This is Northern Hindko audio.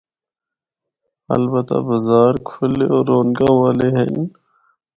البتہ بازار کھلے ہور رونقاں والے ہن۔